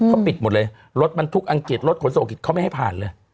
เขาปิดหมดเลยรถบรรทุกอังกฤษรถขนส่งอังกฤษเขาไม่ให้ผ่านเลย